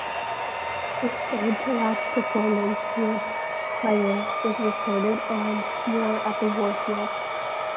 His third-to-last performance with Slayer was recorded on "War at the Warfield".